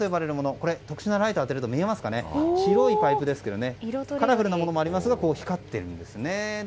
これ特殊なライトを当てますと見えますかね白いパイプですがカラフルなものもありますが光っていますね。